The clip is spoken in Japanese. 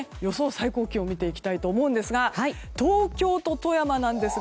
最高気温を見ていきたいと思うんですが東京と富山なんですが